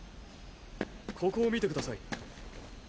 ここを見てください。